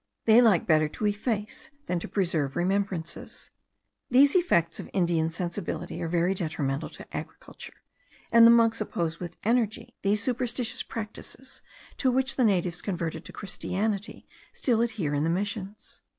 They like better to efface than to preserve remembrances. These effects of Indian sensibility are very detrimental to agriculture, and the monks oppose with energy these superstitious practices, to which the natives converted to Christianity still adhere in the missions.